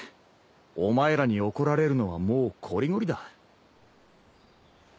お前らに怒られるのはもうこりごりだ。